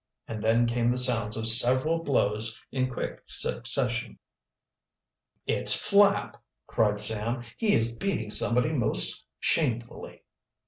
And then came the sounds of several blows in quick succession. "It's Flapp!" cried Sam. "He is beating somebody most shamefully."